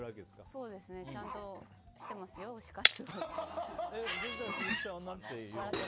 そうですね。ちゃんとしてますよ、推し活。